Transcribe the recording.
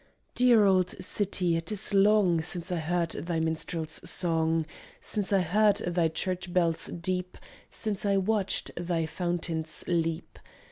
Dear old city, it is long Since I heard thy minstrels' song, Since I heard thy church bells deep, Since I watched thy fountains leap.